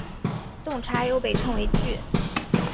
动差又被称为矩。